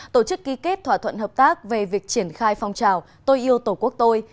tổ chức ký kết thỏa thuận hợp tác về việc triển khai phong trào tôi yêu tổ quốc tôi